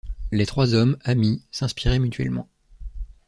Les trois hommes, amis, s'inspiraient mutuellement.